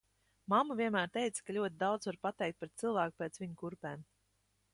Mamma vienmēr teica, ka ļoti daudz var pateikt par cilvēku pēc viņa kurpēm.